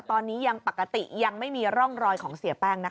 ตอนนี้ยังปกติยังไม่มีร่องรอยของเสียแป้งนะคะ